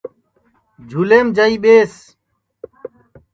جھُولیم جائی ٻیس